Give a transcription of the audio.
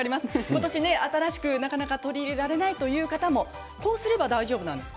今年新しくなかなか取り入れられないという方もこうすれば大丈夫なんです。